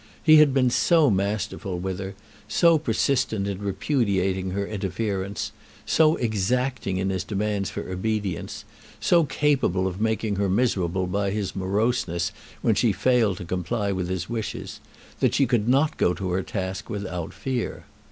He had been so masterful with her, so persistent in repudiating her interference, so exacting in his demands for obedience, so capable of making her miserable by his moroseness when she failed to comply with his wishes, that she could not go to her task without fear.